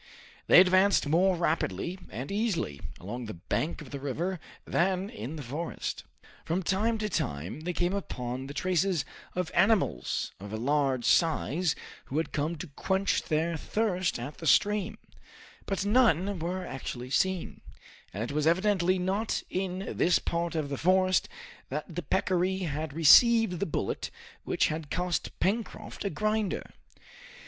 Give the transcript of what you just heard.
They advanced more rapidly and easily along the bank of the river than in the forest. From time to time they came upon the traces of animals of a large size who had come to quench their thirst at the stream, but none were actually seen, and it was evidently not in this part of the forest that the peccary had received the bullet which had cost Pencroft a grinder.